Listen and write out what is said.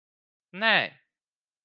Nē.